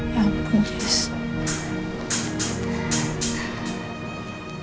ya ampun jess